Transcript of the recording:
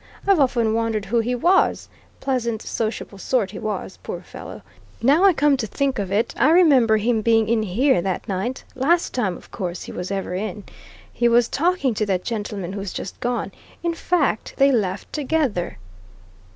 I've often wondered who he was pleasant, sociable sort, he was, poor fellow. Now I come to think of it I remember him being in here that night last time, of course, he was ever in. He was talking to that gentleman who's just gone; in fact, they left together."